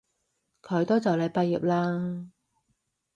佢都就嚟畢業喇